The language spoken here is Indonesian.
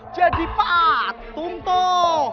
jadi patung tuh